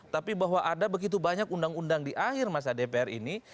tapi bahwa ada begitu banyak undang undang di akhir masa dpr ini